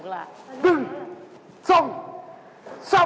ลิงส่องช้า